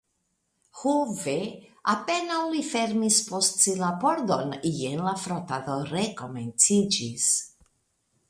Ho ve, apenaŭ li fermis post si la pordon, jen la frotado rekomenciĝis.